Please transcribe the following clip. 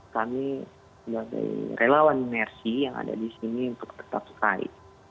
kami sebagai relawan mercy yang ada di sini untuk tetap sky